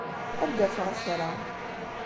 Ad d-afeɣ kra.